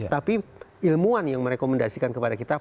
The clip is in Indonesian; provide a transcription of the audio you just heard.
tapi ilmuwan yang merekomendasikan kepada kita